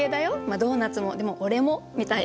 ドーナツもでも俺もみたいな。